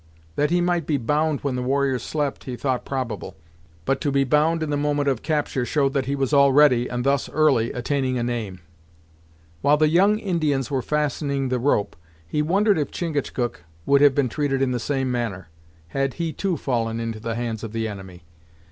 That he might be bound when the warriors slept he thought probable, but to be bound in the moment of capture showed that he was already, and thus early, attaining a name. While the young Indians were fastening the rope, he wondered if Chingachgook would have been treated in the same manner, had he too fallen into the hands of the enemy.